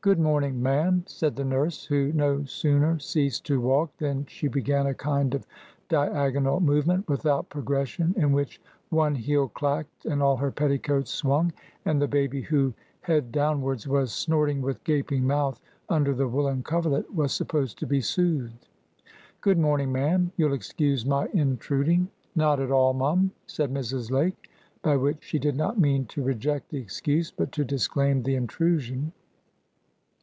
"Good morning, ma'am," said the nurse, who no sooner ceased to walk than she began a kind of diagonal movement without progression, in which one heel clacked, and all her petticoats swung, and the baby who, head downwards, was snorting with gaping mouth under the woollen coverlet, was supposed to be soothed. "Good morning, ma'am. You'll excuse my intruding"— "Not at all, mum," said Mrs. Lake. By which she did not mean to reject the excuse, but to disclaim the intrusion.